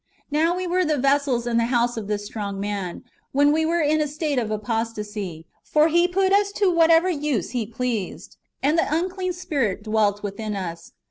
^ Now we were the vessels and the house of this [strong man] when we were in a state of apostasy ; for he put us to whatever use he pleased, and the unclean spirit dwelt within us.